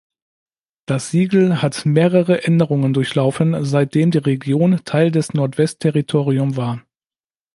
Das Siegel hat mehrere Änderungen durchlaufen, seitdem die Region Teil des Nordwestterritorium war.